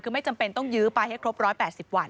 คือไม่จำเป็นต้องยื้อไปให้ครบ๑๘๐วัน